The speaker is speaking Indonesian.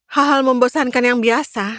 hal hal membosankan yang biasa